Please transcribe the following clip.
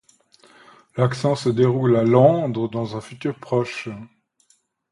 L’action se déroule à Londres, dans un futur proche.